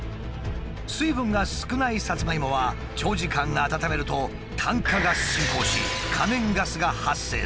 水分が少ないサツマイモは長時間温めると炭化が進行し可燃ガスが発生する。